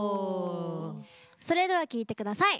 それでは聴いてください。